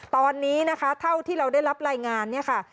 ตอนนี้นะคะเท่าที่เราได้รับรายงานเนี่ยค่ะ